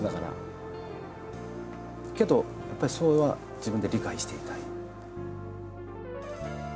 けどやっぱりそれは自分で理解していたい。